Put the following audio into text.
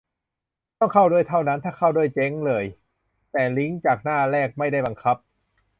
ต้องเข้าด้วย เท่านั้น ถ้าเข้าด้วย เจ๊งเลย แต่ลิงก์จากหน้าแรกไม่ได้บังคับ